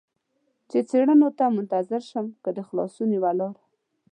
چې څېړنو ته منتظر شم، که د خلاصون یوه لار.